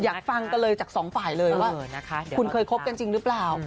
อยากฟังกันเลยจากสองฝ่ายเลยว่าคุณเคยคบกันจริงหรือเปล่า